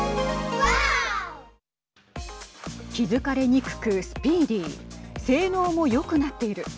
気付かれにくくスピーディー性能もよくなっている。